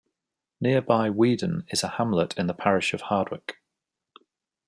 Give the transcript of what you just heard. Nearby Weedon is a hamlet in the parish of Hardwick.